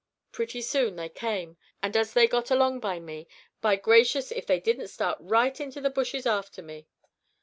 Pretty soon they came, and as they got along by me, by gracious if they didn't start right into the bushes after me!